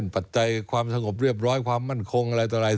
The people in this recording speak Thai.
ปัจจัยความสงบเรียบร้อยความมั่นคงอะไรต่ออะไร